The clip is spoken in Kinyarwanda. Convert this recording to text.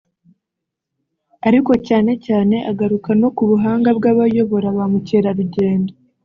ariko cyane cyane agaruka no ku buhanga bw’abayobora ba mukerarugendo